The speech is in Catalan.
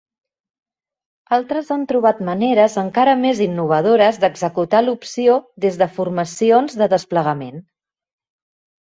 Altres han trobat maneres encara més innovadores d'executar l'opció des de formacions de desplegament.